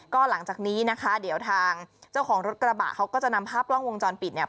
ก็หลังจากนี้นะคะเดี๋ยวทางเจ้าของรถกระบะเขาก็จะนำภาพกล้องวงจรปิดเนี่ย